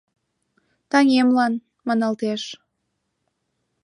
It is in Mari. «Таҥемлан» маналтеш.